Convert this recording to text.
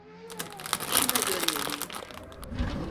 İşime dönmeliyim.